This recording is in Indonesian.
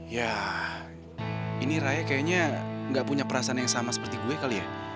ya ini raya kayaknya nggak punya perasaan yang sama seperti gue kali ya